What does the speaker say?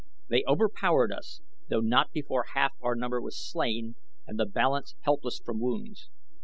They overpowered us, though not before half our number was slain and the balance helpless from wounds.